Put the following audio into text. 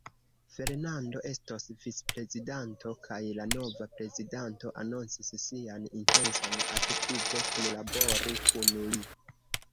Fernando estos vicprezidanto, kaj la nova prezidanto anoncis sian intencon aktive kunlabori kun li.